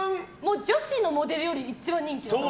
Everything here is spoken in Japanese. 女子のモデルより人気で。